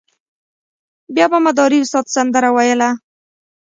بیا به مداري استاد سندره ویله.